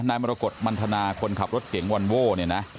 มรกฏมันทนาคนขับรถเก่งวอนโว้เนี่ยนะ